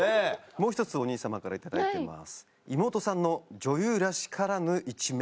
もう１つお兄様から頂いてます。